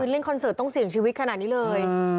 เล่นคอนเสิร์ตต้องเสี่ยงชีวิตขนาดนี้เลย